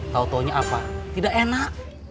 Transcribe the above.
tau taunya apa tidak enak